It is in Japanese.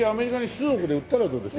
数億で売ったらどうです？